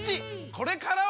これからは！